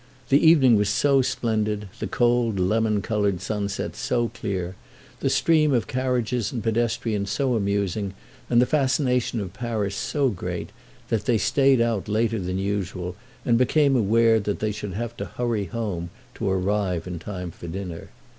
The evening was so splendid, the cold lemon coloured sunset so clear, the stream of carriages and pedestrians so amusing and the fascination of Paris so great, that they stayed out later than usual and became aware that they should have to hurry home to arrive in time for dinner.